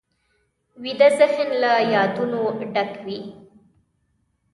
ویده ذهن له یادونو ډک وي